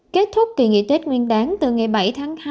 kết thúc kỳ nghỉ tết nguyên đáng từ ngày bảy tháng hai